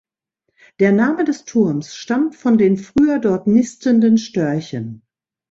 Der Name des Turms stammt von den früher dort nistenden Störchen.